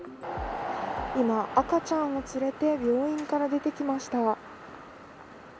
今、赤ちゃんを連れて病院から出てきました。